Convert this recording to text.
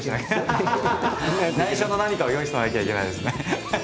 ないしょの何かを用意しとかなきゃいけないですね。